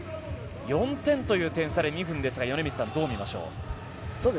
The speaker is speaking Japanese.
４点という点差で２分ですが米満さんどう見ましょう？